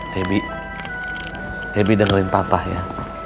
debi debi dengerin papa ya